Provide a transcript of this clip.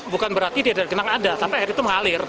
berarti tidak ada kenangan tapi air itu mengalir